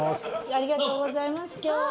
ありがとうございます今日は。